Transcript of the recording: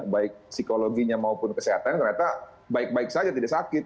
baik psikologinya maupun kesehatan ternyata baik baik saja tidak sakit